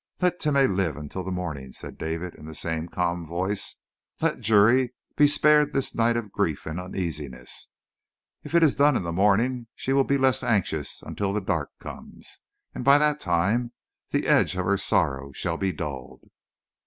"Let Timeh live until the morning," said David in the same calm voice. "Let Juri be spared this night of grief and uneasiness. If it is done in the morning she will be less anxious until the dark comes, and by that time the edge of her sorrow shall be dulled."